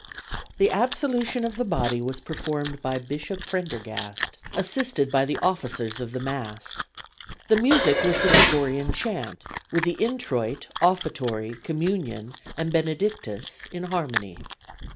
The absolution of the body was performed by Bishop Prendergast, assisted by the officers of the Mass. The music was the Gregorian chant, with the introit, offertory, communion and "Benedictus" in harmony.